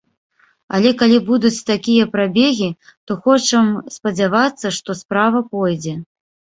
Але калі будуць такія прабегі, то хочам спадзявацца, што справа пойдзе.